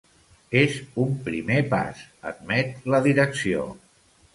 És un primer pas, admet la direcció.